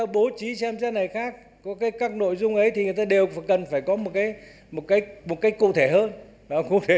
bố trí xem xét này khác có các nội dung ấy thì người ta đều cần phải có một cách cụ thể hơn